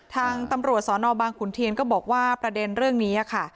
ทางตำรวจสนบางขุนเทียนก็บอกว่าประเด็นเรื่องนี้ค่ะ